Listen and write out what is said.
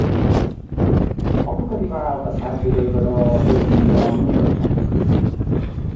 Com puc arribar al passatge del Baró de Griñó número seixanta-sis?